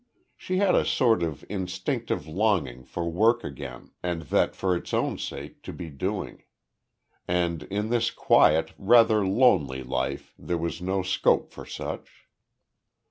She had a sort of instinctive longing for work again, and that for its own sake to be doing. And in this quiet, rather lonely life, there was no scope for such.